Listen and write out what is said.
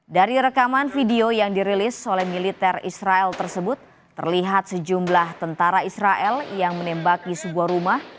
dari rekaman video yang dirilis oleh militer israel tersebut terlihat sejumlah tentara israel yang menembaki sebuah rumah